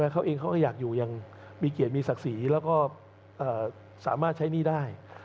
เขาเองเขาก็อยากอยู่อย่างมีเกียรติมีศักดิ์ศรีแล้วก็สามารถใช้หนี้ได้